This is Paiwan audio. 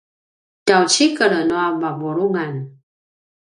tjaucikel nua vavulungan